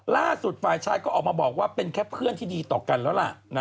ล่าสุดฝ่ายชายก็ออกมาบอกว่าเป็นแค่เพื่อนที่ดีต่อกันแล้วล่ะ